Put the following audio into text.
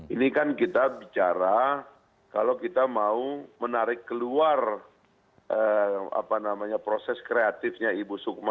ini kan kita bicara kalau kita mau menarik keluar proses kreatifnya ibu sukma